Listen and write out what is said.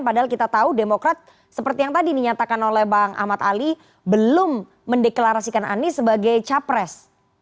padahal kita tahu demokrat seperti yang tadi dinyatakan oleh bang ahmad ali belum mendeklarasikan anies sebagai capres